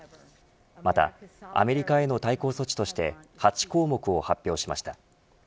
またアメリカへの対抗措置として８項目を発表しました。